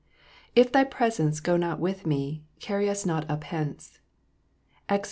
If Thy presence yo not with me, carry us not up hence." EXOD.